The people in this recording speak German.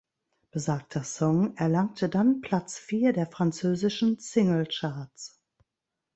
Besagter Song erlangte dann Platz vier der französischen Singlecharts.